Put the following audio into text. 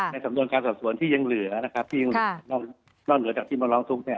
ในสำนวนการสอบสวนที่ยังเหลือที่ยังนอกเหลือจากทีมร้องทุกข์เนี่ย